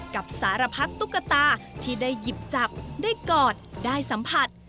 กับสารพัดตุ๊กตาที่ได้หยิบจับได้กอดได้สัมผัส